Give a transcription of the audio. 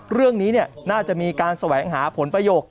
เรื่องนี้น่าจะมีการแสวงหาผลประโยค